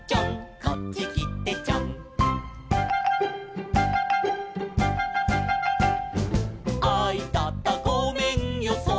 「こっちきてちょん」「あいたたごめんよそのひょうし」